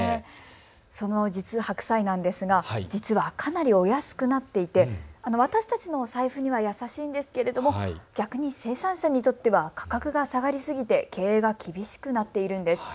その白菜なんですが実はかなりお安くなっていて私たちの財布には優しいんですけれども、逆に生産者にとっては価格が下がりすぎて経営が厳しくなっているんです。